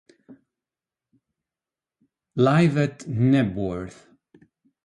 Live at Knebworth